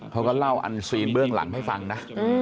เขาก็เล่าอันซีนเบื้องหลังให้ฟังนะ